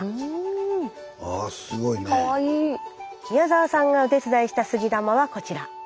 宮澤さんがお手伝いした杉玉はこちら。